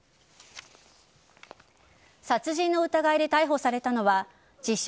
殺人の疑いで逮捕されたのは自称